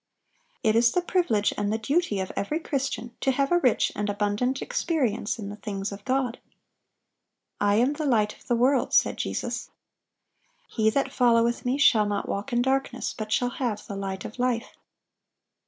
(819) It is the privilege and the duty of every Christian to have a rich and abundant experience in the things of God. "I am the light of the world," said Jesus. "He that followeth Me shall not walk in darkness, but shall have the light of life."